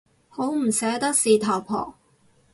好唔捨得事頭婆